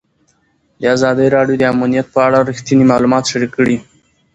ازادي راډیو د امنیت په اړه رښتیني معلومات شریک کړي.